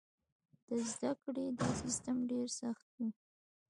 د زده کړې دا سیستم ډېر سخت و.